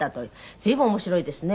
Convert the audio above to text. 随分面白いですね。